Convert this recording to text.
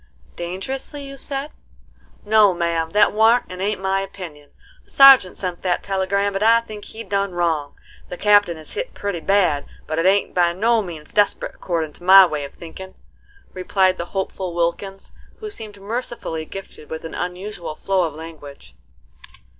"Dangerously you said?" "No, ma'am, that warn't and ain't my opinion. The sergeant sent that telegram, and I think he done wrong. The Captain is hit pretty bad; but it ain't by no means desperate accordin' to my way of thinkin'," replied the hopeful Wilkins, who seemed mercifully gifted with an unusual flow of language.